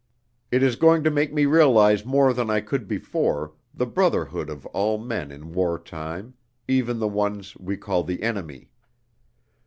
It is going to make me realize more than I could before, the brotherhood of all men in war time, even the ones we call the enemy.